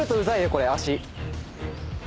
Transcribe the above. これ足。